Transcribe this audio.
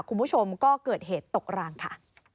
คุณผู้ชมก็เกิดเหตุตกรางค่ะ